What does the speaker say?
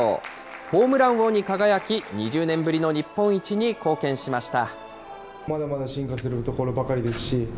ホームラン王に輝き、２０年ぶりの日本一に貢献しました。